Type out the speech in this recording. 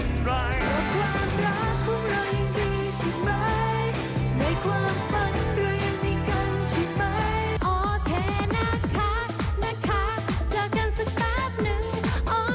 โอเคนะคะนะคะเจอกันสักแปบนึง